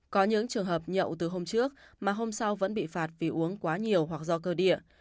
có những trường hợp nhậu từ hôm trước mà hôm sau vẫn bị phạt vì uống quá nhiều hoặc do cơ địa